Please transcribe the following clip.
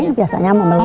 ini biasanya memegang